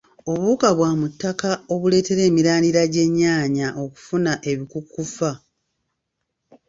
Obuwuka bwa mu ttaka obuleetera emirandira gy'ennyaanya okufuna ebikukufa.